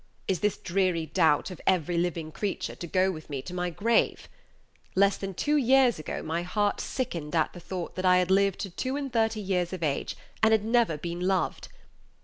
Is this dreary doubt of every living creature to go with me to my grave? Less than two years ago my heart sickened at the thought that I had lived to two and thirty years of age and had never been loved.